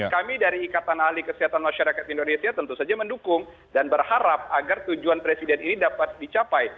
kami dari ikatan ahli kesehatan masyarakat indonesia tentu saja mendukung dan berharap agar tujuan presiden ini dapat dicapai